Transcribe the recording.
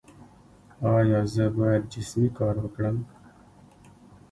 ایا زه باید جسمي کار وکړم؟